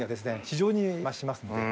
非常に増しますので。